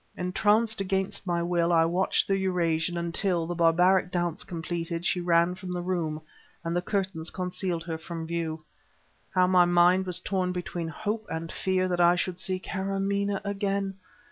Entranced against my will, I watched the Eurasian until, the barbaric dance completed, she ran from the room, and the curtains concealed her from view. How my mind was torn between hope and fear that I should see Kâramaneh again!